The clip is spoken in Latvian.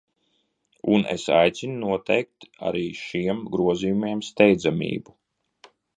Un es aicinu noteikt arī šiem grozījumiem steidzamību.